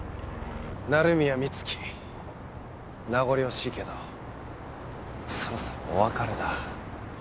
鳴宮美月名残惜しいけどそろそろお別れだ。